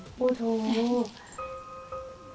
พูดถูก